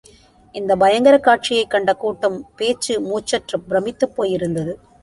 இந்த பயங்கரக்காட்சியைக் கண்ட கூட்டம் பேச்சு மூச்சற்றுப் பிரமித்துப்போய் இருந்தது.